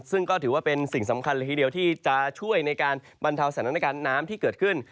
ซึ่งก็ถือว่าเป็นสิ่งสำคัญเลยทีเดียวที่จะช่วยในการบรรเทาสถานการณ์น้ำที่เกิดขึ้น